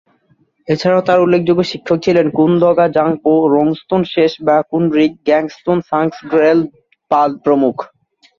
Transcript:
এছাড়াও তার উল্লেখযোগ্য শিক্ষক ছিলেন কুন-দ্গা'-ব্জাং-পো, রোং-স্তোন-শেস-ব্যা-কুন-রিগ, গ্যাগ-স্তোন-সাংস-র্গ্যাল-দ্পাল প্রমুখ।